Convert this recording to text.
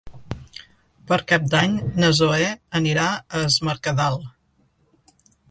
Per Cap d'Any na Zoè anirà a Es Mercadal.